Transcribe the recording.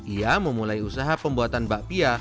ia memulai usaha pembuatan bakpia